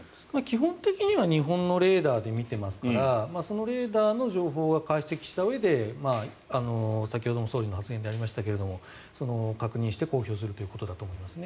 基本的には日本のレーダーで見てますからそのレーダーの情報を解析したうえで先ほどの総理の発言にもありましたが確認して公表するということだと思います。